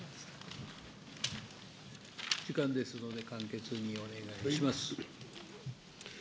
時間ですので簡潔にお願いします。